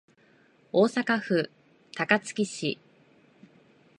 大阪府高槻市